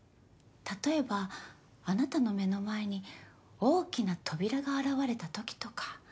例えばあなたの目の前に大きな扉が現れたときとか。